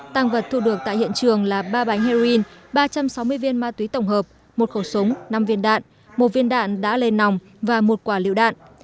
tăng vật thu được tại hiện trường là ba bánh heroin ba trăm sáu mươi viên ma túy tổng hợp một khẩu súng năm viên đạn một viên đạn đã lên nòng và một quả liệu đạn